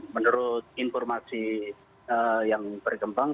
menurut informasi yang berkembang